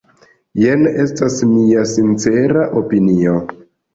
Jen estas mia sincera opinio.